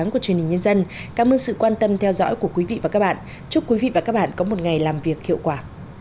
chúc quý vị và các bạn có một ngày làm việc hiệu quả